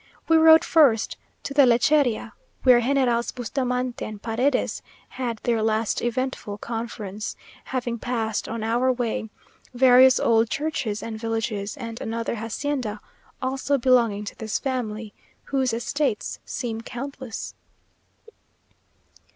We rode first to the Lecheria, where Generals Bustamante and Paredes had their last eventful conference, having passed on our way various old churches and villages, and another hacienda also belonging to this family, whose estates seem countless.